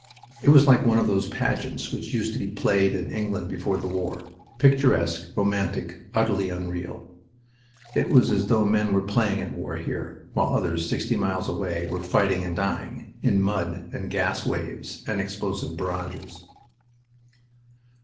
It was like one of those pageants which used to be played in England before the war picturesque, romantic, utterly unreal. It was as though men were playing at war here, while others sixty miles away were fighting and dying, in mud and gas waves and explosive barrages.